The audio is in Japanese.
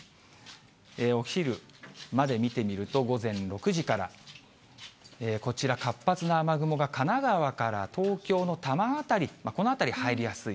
お昼まで見てみると、午前６時から、こちら、活発な雨雲が神奈川から東京の多摩辺り、この辺り入りやすい。